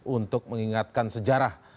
untuk mengingatkan sejarah